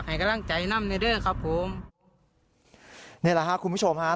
นี้นะครับผมแม่จ๋า